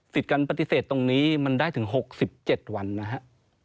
การปฏิเสธตรงนี้มันได้ถึง๖๗วันนะครับ